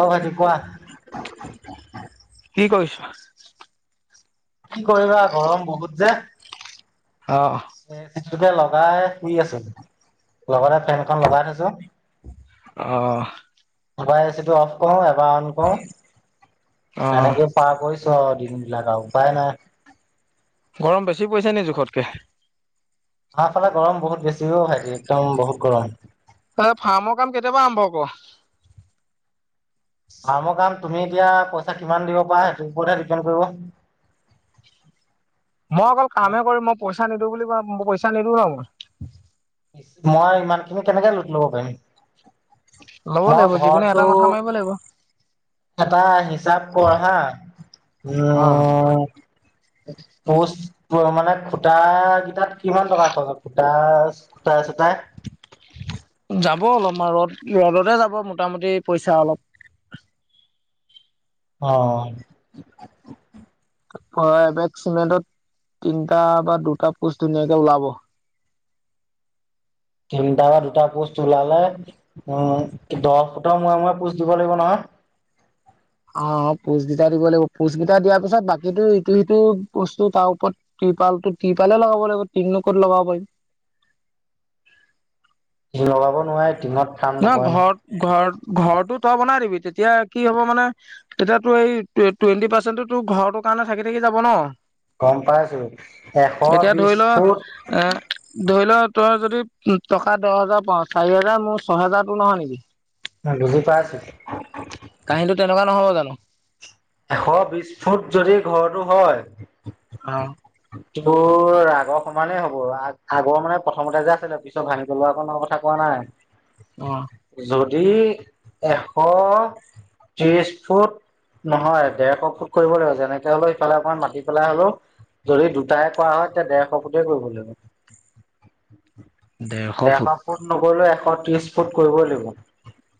অ ভাইটি কোৱা? কি কৰিছ? কি কৰিবা গৰম বহুত যে। অ'। এ সিতোটোকে লগাই শুই আছোঁ, লগতে ফেনখন লগাই থৈছোঁ। অহ। [unintelligible] এতিটো অফ কৰোঁ এবাৰ অন কৰোঁ, অ', এনেকে পাৰ কৰিছ চ দিন বিলাক আৰু উপায় নাই। গৰম বেছি পৰিছে নি জোখতকে? আফালে গৰম বহুত বেছিও ভাইটি একদম বহুত গৰম। অই ফাৰ্মৰ কাম কেতিয়াৰ পৰা আৰম্ভ ক'ৰ'? ফাৰ্মৰ কাম তুমি এতিয়া পইচা কিমান দিব পাৰা সেইটোৰ ওপৰতহে ডিপেন কৰিব। মই অকল কামে কৰিম মই পইচা নিদিওঁ বুলি কোৱা পইচা নিদিওঁ ন মই। মই ইমানখিনি কেনেকে লোড ল'ব পাৰিম! ল'ব মই লাগিব যিকোনো ঘৰটো এটা মাথা মাৰিব লাগিব অ'। এটা হিচাপ কৰ বা, উম পোষ্ট তোৰ মানে খুটা গিটাত কিমান টকা খৰচ হব খুটা টা চু তাই যাব অলপ মান ৰ'দ - ৰ'দতে যাব মোটামুটি পইচা অলপ। অ'। অ এবেগ চিমেণ্টত তিনটা বা দুটা পোষ্ট ধুনীয়াকে ওলাব। [inaudible] তিনটা বা দুটা পোষ্ট ওলালে উ দহ ফুটৰ মূৰে মূৰে পোষ্ট দিব লাগিব নহয়। [inaudible] অ' অ' পোজ গিটা দিব লাগিব পোজ গিটা দিয়াৰ পিছত বাকীটো ইটো সিটো বস্তু তাৰ ওপৰত দ ত্ৰি ত্ৰিপালটো তিৰপালে লগাব লাগিব টিং নো ক'ত লগাব পাৰিম। লগাব নোৱাৰে। টিঙত কাম নহ নকৰে ন ঘৰত - ঘৰ - ঘৰটো তই বনাই দিবি। তেতিয়া কি হ'ব মানে তেতিয়া তোৰ এই টুৱে - টুৱেণ্টি পাৰ্চেণ্টটো তোৰ ঘৰটোৰ কাৰণে থাকি থাকি যাব ন। গম পাইছো এশ এতিয়া বিশ ধৰি ল ফুট এ ধৰি ল তই যদি উ টকা দহ হেজাৰ পাওঁ চাৰি হেজাৰ মোৰ ছয় হেজাৰ তোৰ নহয় নেকি? বুজি পাইছোঁ। কাহিনীটো তেনেকুৱা নহ'ব জানোঁ! এশ বিশ ফুট যদি ঘৰটো হয় অ'। [inaudible] আগৰ সমানেই হ'ব আগ - আগৰ মানে প্ৰথমতে যে আছিলে পিছত ভাঙি পেলোৱাকনৰ কথা কোৱা নাই। অ'। এই এশ ত্ৰিছ ফুট নহয় ডেৰশ ফুট কৰিব লাগিব যেনেকে হলেও ইফালে অকমান মাতি পেলাই হলেও যদি দুটাই কৰা হয় তেতিয়া ডেৰশ ফুটতে কৰিব লাগিব। [inaudible] ডেৰশ ফুট নকৰিলেও এশ ত্ৰিছ ফুট কৰিবই লাগিব।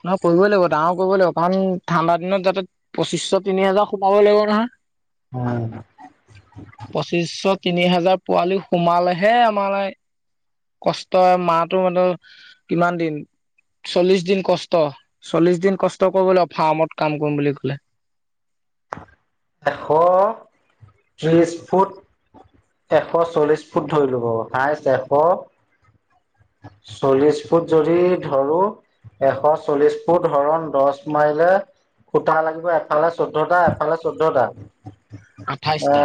নহয় কৰিবই লাগিব ডাঙৰ কৰিবই লাগিব কাৰণ ঠাণ্ডা দিনত যাতে পঁচিচছ তিনি হাজাৰ সোমাবই লাগিব নহয়। উম। পঁচিছশ তিনি হাজাৰ পোৱালি সোমালেহে আমাৰ লাই কষ্ট মাহটো মানো কিমান দিন চল্লিছ দিন কষ্ট ত চল্লিছ দিন কষ্ট কৰিব লাগে ফাৰ্মত কাম কৰিম বুলি কলে। এশ ত্ৰিশ ফুট এশ চল্লিছ ফুট ধৰিলো বাৰু হাইচ এশ চল্লিছ ফুট যৰি ধৰো এশ চল্লিছ ফুট হৰণ দছ মাৰিলে খুতা লাগিব এফালে চ চৈধ্যটা এফালে চৈধ্যটা, এ আঠাইশটা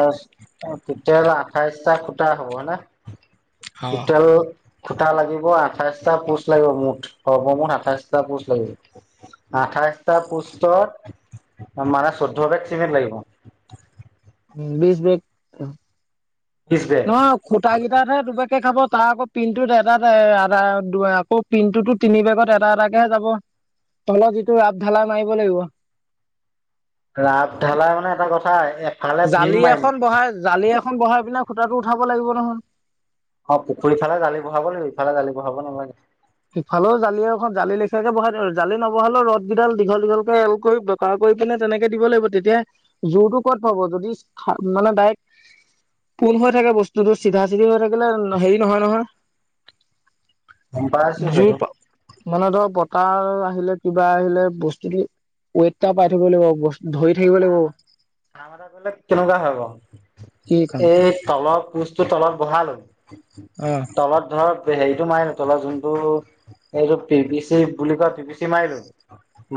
টোটেল আঠাইছটা খুটা হ'ব হয় নে? অ টোটেল খুটা লাগিব আঠাইছটা পোষ্ট লাগিব মুঠ সৰ্বমুঠ আঠাইছটা পোষ্ট লাগিব। আঠাইছটা পোষ্টত মানে চৈধ্য বেগ চিমেণ্ট লাগিব। উম, বিছ বেগ। ত্ৰিশ বেগ। নহয় খুটা গিইটাতহে দুবেগ কে খাব তাৰ আকৌ পিনটোত এটা টা [unintelligible] আকৌ পিনটোতো তিনি বেগত এটা এটাকেহে যাব। তলত যিটো আপঢালাই মাৰিব লাগিব। ৰাপ ঢালাই মানে এটা কথা এফালে ভীম জালি মাৰিম এখন বহাই জালি এখন বহাই পিনে খুটাটো উঠাব লাগিব নহয়। অ', পুখুৰী ফালে জালি বহাব লাগিব ইফালে জালি বহাব নালাগে সিফালেও জালি এখন জালি লেখিয়াকে বহাই জালি নবহালেও ৰদ গিডাল দীঘল দীঘলকে এল‌ কৰি বেকা কৰি পিনে তেনেকে দিব লাগিব, তেতিয়া জোৰটো ক'ত পাব যদি মানে ডাইক্ পোন হৈ থাকে বস্তুটো চিধা চিধি হৈ থাকিলে হেৰি নহয় নহয়। গম পাইছোঁ জুৰ সেইটো। পা মানে ধৰ বতাহ আহিলে কিবা আহিলে বস্তু দি ৱেতটা পাই থব লাগিব বস্তু ধৰি থাকিব লাগিব। কাম এটা কৰিলে কেনেকুৱা হয় কি বাৰু কাম এই তলৰ পোষ্টটো তলত বহালো অ তলত ধৰক হেৰিটো মাৰি নতল যোনটো এইটো পি পি চি বুলি কোৱা পি পি চি মাৰিলোঁ,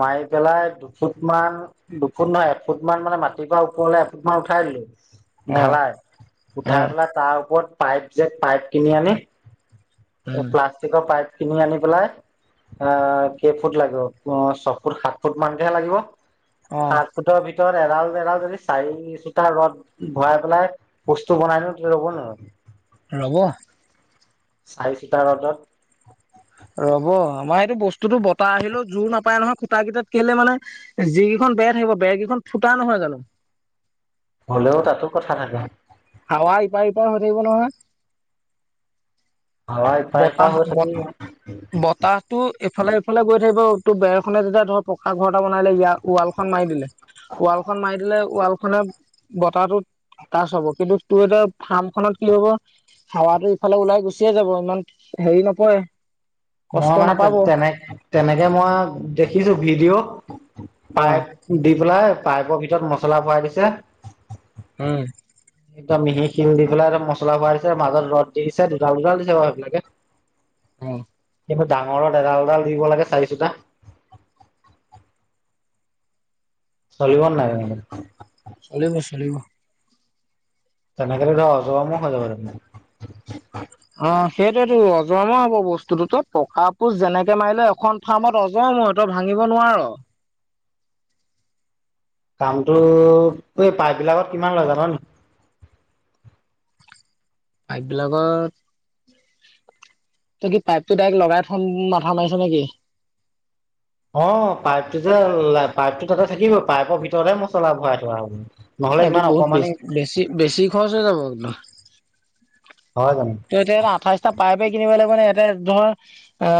মা মাৰি পেলাই দুফুট মান দুফুট নহয় এফুট মান মানে মাটিৰ পৰা ওপৰলে এফুট মান উঠাই দিলোঁ। অ ঢালাই অ উঠাই পেলাই তাৰ ওপৰত পাইপ যে পাইপ কিনি আনি উম প্লাষ্টিকৰ পাইপ কিনি আনি পেলাই আ কেইফুট লাগিব ছয় ফুট সাত ফুট মানকহে লাগিব। অ সাতফুটৰ ভিত ভিতৰত এডাল এডাল যদি চাৰি চিতা ৰড ভৰাই পেলাই বস্তু বনাই নিওঁ তেতিয়া ৰব নৰব। ৰব। চাৰি চিতা ৰড'ত ৰ'ব, আমাৰ সেইটো বস্তুটো বতাহ আহিলেও জোৰ নাপায় নহয় খুটা গিটাত কেলে মানে যিকিখন বেয়া থাকিব বেৰ কেইখন ফুটা নহয় জানো। হলেও তাতো কথা থাকে। হাৱা ইপাৰ সিপাৰ হৈ থাকিব নহয়। হয় ইপাৰ সিপাৰ বতাহ হৈ বত থাকিব বতাহটো এইফালে সেইফালে গৈ থাকিব। টো বেৰ খনে যেতিয়া ধৰ পকা ঘৰ এটা বনালে ইয়া ৱালখন মাৰি দিলে ৱালখন মাৰি দিলে ৱাল মানে বতাহটোত তাছ হব কিন্তু তোৰ এতিয়া ফাৰ্ম খনত কি হ'ব হাৱাটো ইফালে ওলাই গুচিয়ে যাব ইমান হেৰি নপৰে কষ্ট মই মানে তে নাপাব - অ তেনে - তেনেকে মই দেখিছো ভিডিঅ' পাইপ দি পেলাই পাইপৰ ভিতৰত মছলা ভৰাই দিছে। উম একদম মিহি শিল দি পেলাই একদম মছলা ভৰাই দিছে মাজত ৰদ দিছে দুডাল দুডাল দিছে বাৰু এইবিলাকে অ'। এই ডাঙৰত এডাল এডাল লাগে চাৰি চুটা চলিব নাই মানে? চলিব চলিব। তেনেকে টো ধৰ অজৰ অমৰ হৈ যাব দেখোন। অ' সেইটোৱেটো অজৰ‌ অমৰ হব বস্তুটো তই টকা পোষ্ট যেনেকে মাৰিলে এখন ফাৰ্মত অজ মই তই ভাঙিব নোৱাৰ। কামটো এই পাইপ বিলাকত কিমান লয় জান নি? পাইপ বিলাকত তই কি পাইপটো ডাইৰেক্ট লগাই থম মাথা মাৰিছ নেকি? অ' পাইপটো যে পাইপটো তাতে থাকিব পাইপৰ ভিতৰহে মছলা ভৰাই থোৱা হ'ব। নহ'লে এইটো ইমান বহুত বেছ অকমানি - বেছি - বেছি খৰচ হৈ যাব একদো হয় জানো ত এতিয়া আঠাইছটা পাইপে কিনিব লাগিব নে এ ধৰ অ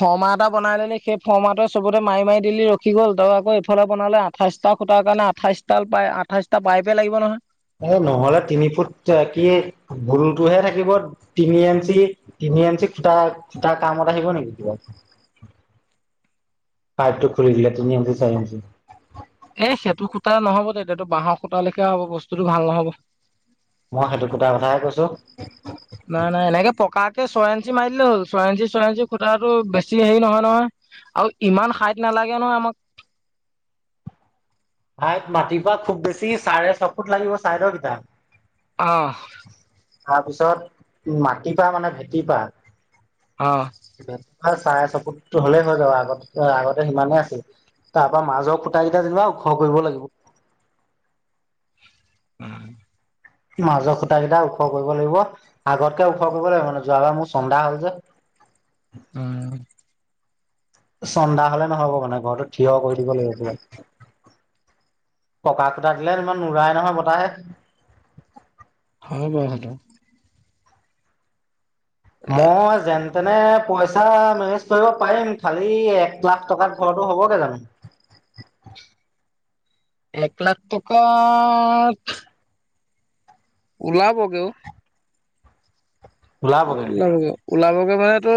ফৰ্মা এটা বনাই দিলি সেই ফৰ্মাটোৱে চবতে মাৰি মাৰি দিলি ৰখি গ'ল। আকৌ এইফালে বনালে আঠাইছটা খুটাৰ কাৰণ আঠাইছডাল পাই আঠাইছটা পাইপে লাগিব নহয়। এ নহ'লে তিনি ফুট কি ভুলটোহে থাকিব তিনি এঞ্চি। তিনি এঞ্চি খুটা - খুটা কামত আহিব নেকি কিবা। [inaudible] পাইপটো খুুলি দিলে তিনি এঞ্চি চাৰি এঞ্চি। এ সেইটো খুটা নহব তেতিয়াতো বাঁহৰ খুতা লেখীয়া হ'ব বস্তুটো ভাল নহ'ব। মই সেইটো খুটা কথাহে কৈছো। এই ছয় এঞ্চি মাৰি দিলে হ'ল। ছয় এঞ্চি ছয় এঞ্চি খুটাটো টো বেছি হেৰি নহয় নহয় আৰু ইমান হাইট নালা লাগে নহয় আমাক। হাইত মাতি পা খুব বেছি চাৰে ছ ফুট লাগিব চাইদৰ কিটা। অহ। তাৰ পিছত মাটি পা মানে ভেটি পা। অহ। চাৰে ছফুট হ'লেই হৈ যাব আগত‌ - আগতে সিমানে আছিল। তাৰ পৰা মাজৰ খুঁটা কেইটা যেনিবা ওখ কৰিব লাগিব। উম। মাজৰ খুটা কেইটা ওখ কৰিব লাগিব আগতকে ওখ কৰিব লাগিব মানে যোৱাবাৰ মোৰ চন্দা হ'ল যে। উম। চন্দা হলে নহ'ব মানে ঘৰতো থিয় কৰি দিব লাগিব [unintelligible] পকা খুটা দিলে ইমান নুৰাই নহয় বতাহে। হয় বাৰু সেইটো। মই যেন তেনে পইচা মেনেজ কৰিব পাৰিম খালি এক লাখ টকাত ঘৰ টো হ'বগে জানো? [inaudible] এক লাখ টকাত ওলাবগে ও। ওলাবগে। ওলাবগে মানে তো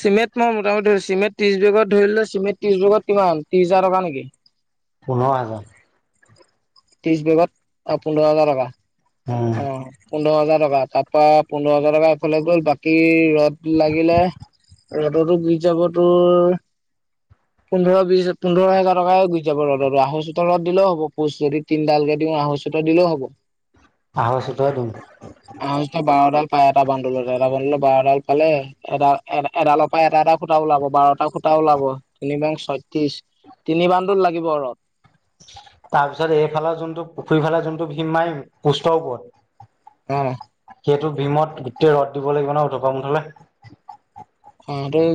চিমেট মই মোটামুটি ধৰিছো চিমেট ত্ৰিছ বেগত ধৰিলো চিমেট ত্ৰিছ বেগত কিমান ত্ৰিছ হাজাৰ টকা নেকি? পোন্ধৰ হাজাৰ। ত্ৰিছ বেগত অ পোন্ধৰ হাজাৰ টকা, উম অহ পোন পোন্ধৰ হাজাৰ টকা তাৰ পৰা পোন্ধৰ হাজাৰ টকা এফালে গ'ল বাকী ৰ'দ লাগিলে ৰ'ডতো গুচি যাব তোৰ পোন্ধৰ বিছ পোন্ধৰ হাজাৰ টকা গুচি যাব ৰড'টো আৰু চোতালত দিলেও হব পোষ্ট যদি তিন ডাল কে দিওঁ আহৈ চতা দিলেও হ'ব। আহৈ ছটা [unintelligible] অ' এটা বান্দোলত এটা বান্দলত বাৰডাল পালে, এডা ‌- এট - এডালৰ পৰা এটা এটা খুটা ওলাব বাৰটা খুটা টা ওলাব, তিনি বাৰং ছয়ত্ৰিছ, তিনি বান্দুল লাগিব ৰড। তাৰপিছত এইফালৰ যোনটো পুখুৰী ফালে যোনটো ভীম মাৰিম পোষ্টৰ ওপৰত অহ। সেইটো ভীমত গোটেই ৰড দিব লাগিব নহয় উধপা মুধলে। অ' তই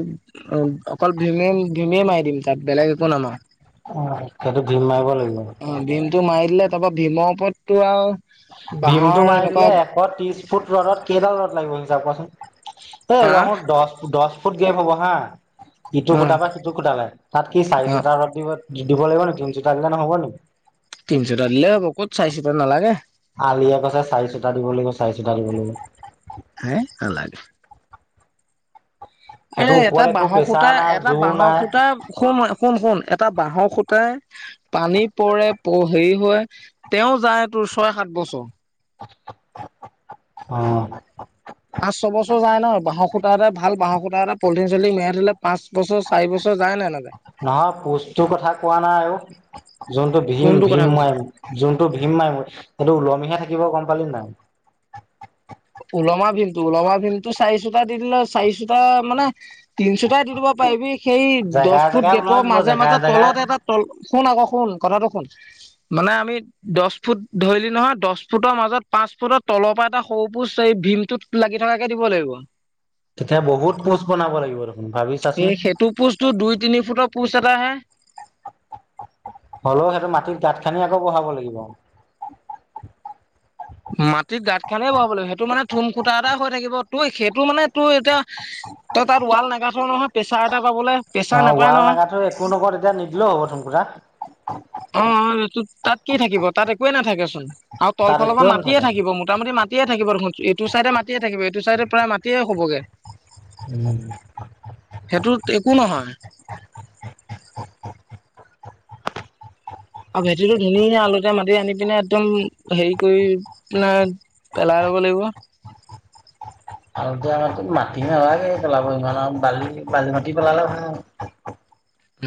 অ অকল ভীমে - ভীমেই মাৰি দিম। তাত বেলেগ একো নামাৰো। অ' সেইটো ভীম মাৰিব লাগিব। অ' ভীমটো মাৰি দিলে তাৰ পৰা ভীমৰ ওপৰতটো আও ভীমটো মাৰি দিলে এশ ত্ৰিছ ফুট ৰ'ডত কেইডাল ৰ'দ লাগিব হিচাব কৰা চোন? এ আহ ৰঙত দছ ফু - দছ ফুট গেপ হ'ব হা। ইটো অ খুটাৰ পা সিটো খুটা লে, তাত কি চাৰি অ ছুতা ৰড দিব দি - দিব লাগিব নি তিনছুতা দিলে নহ'ব নি? তিনিছুটা দিলে হ'ব ক'ত চাৰিছুটা নালাগে। আলিয়ে কৈছে চাৰি ছুটা দিব লাগিব, চাৰি ছুটা দিব লাগিব। হে নালাগে। আ সেইটো এটা ওপৰত একো বাঁহৰ প্ৰেছাৰ সূতা নাই এটা জোৰ বাঁহৰ নাই সূতা স শুন শুন এটা বাঁহৰ খুটাই পানী পৰে হেৰি হয় তেওঁ যায় ছয় সাত বছৰ উম পাঁচ ছবছৰ যায় ন বাঁহৰ খুঁটা এটা ভাল বাঁহ খুঁটা এটা ভাল পলিথিন চলিথিন মেৰাই থলে পাঁচ বছৰ চাৰি বছৰ যায় নাই নে নাযায় নহয় পোষ্টটোৰ কথা কোৱা নাই অও যোনটো ভীম কোনটো কথা ভীম কৈছো মাই যোনটো ভীম মাই সেইটো ওল তুমিহে থাকিব গম পালি নাই ওলমা বিলটো ওলমা ভীমটো চাৰিশুটা দি দিলে চাৰিশুটা মানে তিনশুটাই দি দিব পাৰিবি সেই দহ জেগাই ফুট জেগাই গেপৰ ওলমিব মাজে জেগাই মাজে জেগাই তলত এটা তল শুন আকৌ শুন কথাটো শুন মানে আমি দহ ফুট ধৰিলি নহয় দশ ফুটৰ মাজত পাঁচ ফুটৰ তলৰ পৰা এটা সৰু এই ভীমটোত লাগি থকাকে দিব লাগিব তেতিয়া বহুত পোষ্ট বনাব লাগিব আৰু এ সেইটো পোচটো দুই তিনি ফুটৰ পোচ এটা হে হ'লেও সেইটো মাটিত গাঁত খানি আকৌ বহাব লাগিব মাটিত গাঁত খালে বহাব লাগিব সেইটো মানে থুম খুটা এটা হৈ থাকিব তোৰ সেইটো মানে তোৰ এতিয়া ত তাত ৱাল নাগাখৰ নহয় প্ৰেছাৰ এটা পাবলৈ অ প্ৰেচাৰ নাপায় ৱাল নহয় নাগাটো একো উ নকওঁ তেতিয়া নিদিলেও হ'ব থুনকুটা অ তাত কি থাকিব তাত একোৱে নাথাকেচোন আৰু তল তাত ফালৰ পৰা একোৱে মাতিয়ে নাথাকে থাকিব মোটামুটি ম মাটয়ে থাকিব এইটো চাইডে মাটিয়ে থাকিব এইটো চাইডে প্ৰায় মাটিয়ে হ'বগে উম সেইটো একো নহয় [unintelligible] অ ভেটিতো ধুনীয়া আলুতে মত আনি পিনে একদম হেৰি কৰি পিনে পেলাই ল'ব লাগিব। [unintelligible] আৰু এতিয়া আমাৰো মাটি নালাগে পেলাব ইমান আৰু বালি বালি মাটি পেলালে হয় আও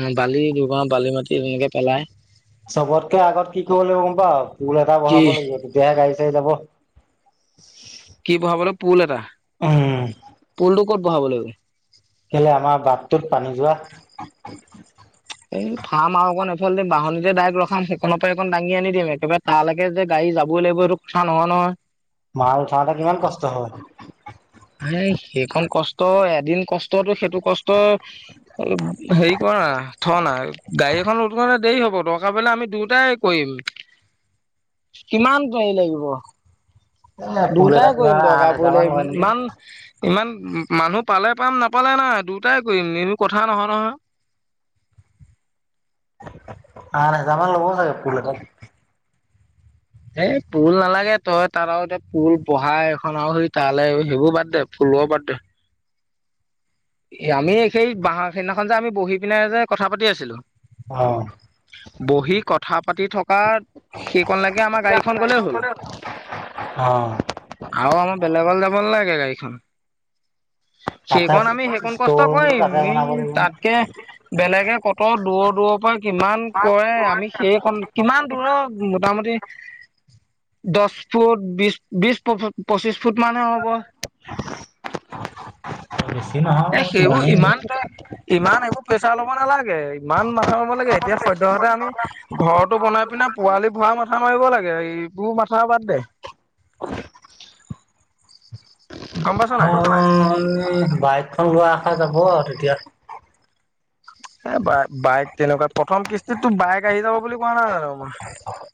অ বালি দুগাও বালি মাটি তেনেকে পেলাই চবতকে আগত কি কৰিব লাগিব গম পাৱ পুল এটা কি বহাব লাগিব তেতিয়াহে গাড়ী চাৰি যাব কি বহাব লে পুল এটা উম পুলটো ক'ত বহাব লাগিব কেলে আমাৰ বাটটোত পানী যোৱা এই ফাৰ্ম আৰু অকণ এফাল দিম বাহনিতে যে ডাইৰেক্ট ৰখাম সেইখনৰ পৰা একণ দাঙি আনি দিম একেবাৰে তালৈকে গাড়ী যাব হবই লাগিব সেইটো কথা নহয় নহয় মাল উঠাওতে কিমান কষ্ট হয় হ সেইখন কষ্ট এদিন কষ্টতো সেইটো কষ্ট অলপ হেৰি কৰা থ থ না গাড়ীখন লোড কৰোঁতে দেৰি হ'ব দৰকা পৰিলে আমি দুয়োটাই কৰিম কিমান হেৰি লাগিব এ পুল দুটাই এটা কৰিম কিমান আঠ দৰকাৰ হেজাৰ পৰিলে মান লয় নেকি ইমান ইমান মানুহ পালে পাম নাপালে নাই দুটাই কৰিম এইবোৰ কথা নহয় নহয় আঠ হাজাৰ মান ল'ব চাগে পুল এটাত এইত পুল নালাগে তই তাত আৰু এতিয়া পুল বহাই এখন আৰু সেই তালৈ সেইবোৰ বাদ দে পুলৰ বাতদে এ আমি সেই বাঁহৰ সেইদিনাখন যে আমি বহি পিনে যে কথা পাতি আছিলো। অ বহি কথা পাতি থকা সেইকন লকে আমাৰ গাড়ীখন গলেই হ'ল। অ আৰু আমাৰ বেলেগলে যাব নালাগে গাড়ীখন তাতেত সেইকণ আমি সেইকণ চুইছ কষ্ট কৰিম ই তাতকে বেলেগে কত দূৰ দূৰৰ পৰা কিমান কৰে আমি সেইকন কিমান দূৰৰ মোটামুটি দচ ফুট, বি বিছ, পঁচিছ ফুট মানে হ'ব বেছি নহয় এ সেইবোৰ কিমানেই হ'ব। ইমানতে ইমান এইবোৰ প্ৰেছাৰ ল'ব নালাগে ইমান মাথা লব লাগে এতিয়া সদ্যয়হতে আমি ঘৰতটো বনাই এইপিনে পোৱালি ভৰা মাথা মাৰিব লাগে এইবোৰ মাথা বাদ দে [unintelligible] গম পাইছ নাই মোৰ বাইকখন লোৱা আশা যাব আৰু তেতিয়া এ বাই বাইক তেনেকুৱা প্ৰথম কিস্তিতো বাইক আহি যাব বুলি কোৱা নাই জানো মই